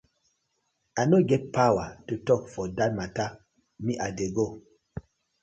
I no get powaar to tok for dat matta, me I dey go.